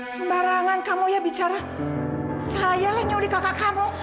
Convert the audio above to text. sembarangan kamu ya bicara sayalah nyuri kakak kamu